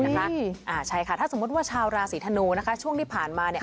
ถ้าหากสมมุติชาวราษีธนูช่วงที่ผ่านมา